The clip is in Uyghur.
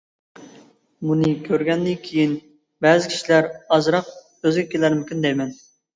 ! بۇنى كۆرگەندىن كېيىن بەزى كىشىلەر ئازراق ئۆزىگە كېلەرمىكىن دەيمەن!